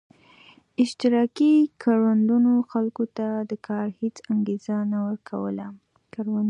اشتراکي کروندو خلکو ته د کار هېڅ انګېزه نه ورکوله